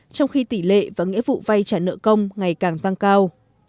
trong khi tỷ lệ và nghĩa vụ vay trả nợ công ngày càng tăng cao